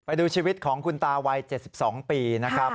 ไปดูชีวิตของคุณตาวัย๗๒ปีนะครับ